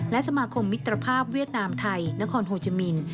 และสมาคมมิตรภาพเวียดนามไทยนครโฮจามิน